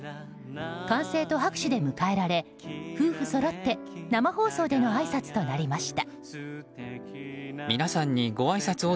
歓声と拍手で迎えられ夫婦そろって生放送でのあいさつとなりました。